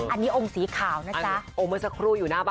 อันนี้องค์สีขาวนะจ๊ะ